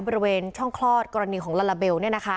บริเวณช่องคลอดกรณีของลาลาเบล